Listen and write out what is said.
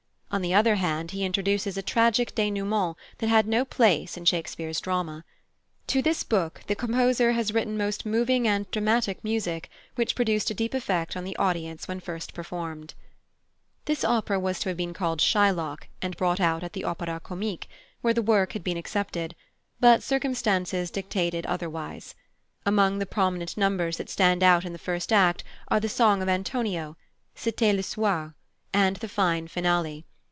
On the other hand, he introduces a tragic dénouement that had no place in Shakespeare's drama. To this book the composer has written most moving and dramatic music, which produced a deep effect on the audience when first performed. This opera was to have been called Shylock and brought out at the Opéra Comique, where the work had been accepted; but circumstances decided otherwise. Among the prominent numbers that stand out in the first act are the song of Antonio, "C'était le soir," and the fine finale.